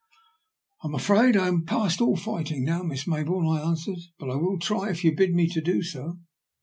"I am afraid I am past all fighting now, Miss Maybourne," I answered. " But I will try, if you bid me do so."